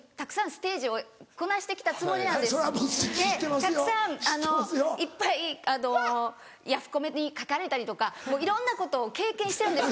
たくさんいっぱいヤフコメに書かれたりとかいろんなことを経験してるんですけど。